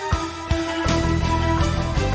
ก็ไม่น่าจะดังกึ่งนะ